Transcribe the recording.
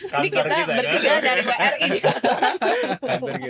jadi kita berdua dari wri